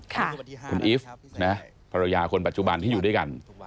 คุณอีฟนะภรรยาคนปัจจุบันที่อยู่ด้วยกัน